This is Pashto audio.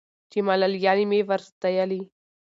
چي ملالیاني مي ور ستایلې